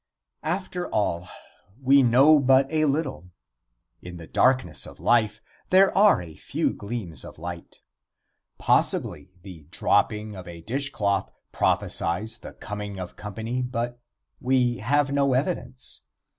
X. After all we know but little. In the darkness of life there are a few gleams of light. Possibly the dropping of a dishcloth prophesies the coming of company, but we have no evidence.